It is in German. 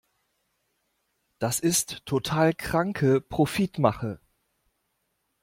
Das ist total kranke Profitmache!